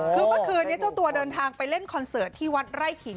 คือเมื่อคืนนี้เจ้าตัวเดินทางไปเล่นคอนเสิร์ตที่วัดไร่ขิง